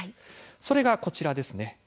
それが、こちらです。